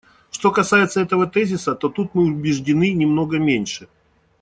Что касается этого тезиса, то тут мы убеждены немного меньше.